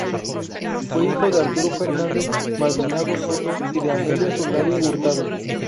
Fue hijo de Arturo Fernández-Maldonado Soto y de Amelia Solari Hurtado.